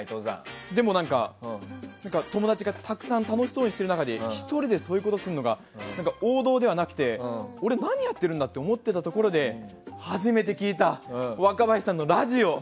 でも、何か友達がたくさん楽しそうにしている中で１人でそういうことをするのが王道ではなくて俺、何をやっているんだと思っていたところで初めて聴いた若林さんのラジオ。